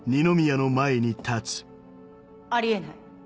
あり得ない。